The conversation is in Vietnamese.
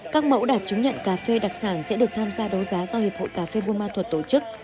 các mẫu đặt chứng nhận cà phê đặc sản sẽ được tham gia đối giá do hiệp hội cà phê burma thuật tổ chức